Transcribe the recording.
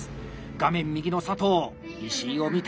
画面右の佐藤石井を見た！